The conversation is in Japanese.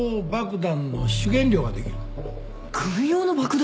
軍用の爆弾？